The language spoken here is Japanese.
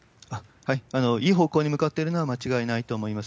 いい方向に向かっているのは間違いないと思います。